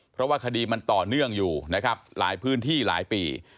เพราะว่าคดีมันต่อเนื่องอยู่นะครับหลายพื้นที่หลายปี